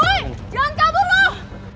woy jangan kabur lu